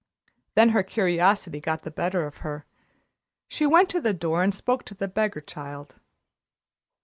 Then her curiosity got the better of her. She went to the door and spoke to the beggar child.